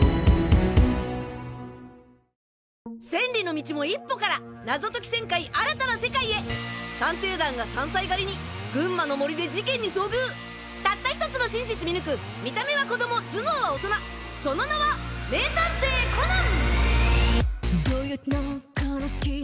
千里の道も一歩から謎解き１０００回新たな世界へ探偵団が山菜狩りに群馬の森で事件に遭遇たった１つの真実見抜く見た目は子供頭脳は大人その名は名探偵コナン！